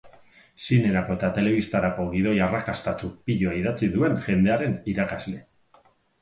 Zinerako eta telebistarako gidoi arrakastatsu piloa idatzi duen jendearen irakasle.